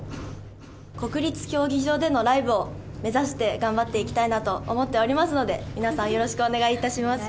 国立競技場でのライブを目指して頑張っていきたいなと思っておりますので、皆さん、よろしくお願いいたします。